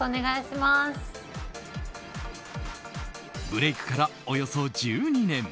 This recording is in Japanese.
ブレークからおよそ１２年。